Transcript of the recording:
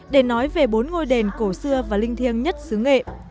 để nói về bốn ngôi đền cổ xưa và linh thiêng nhất xứ nghệ